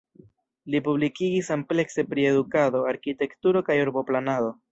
Li publikigis amplekse pri edukado, arkitekturo kaj urboplanado.